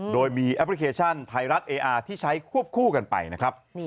โดยมีแอปพลิเคชันไทยรัฐเออาร์ที่ใช้ควบคู่กันไปนะครับ